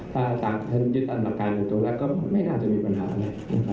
ถ้าฉันยึดกันหลักการตัวตัวแล้วก็ไม่น่าจะมีปัญหาอะไร